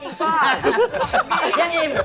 ยังอิ่มอิ่มแค่ก็ต้องปากดี